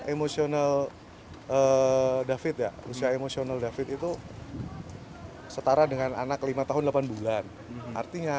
emosional david ya usia emosional david itu setara dengan anak lima tahun delapan bulan artinya